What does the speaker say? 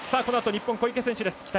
このあと日本、小池選手です。